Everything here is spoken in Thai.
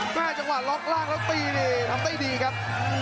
หน้าจังหวานล็อกล่างแล้วตีดีทำได้ดีครับ